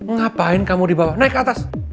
ngapain kamu dibawa naik ke atas